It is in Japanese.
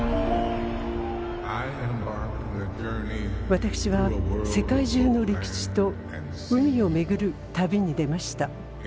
私は世界中の陸地と海を巡る旅に出ました。